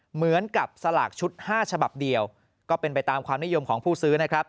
เหมือนกับสลากชุด๕ฉบับเดียวก็เป็นไปตามความนิยมของผู้ซื้อนะครับ